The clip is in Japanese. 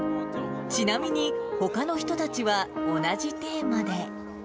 ちなみに、ほかの人たちは同じテーマで。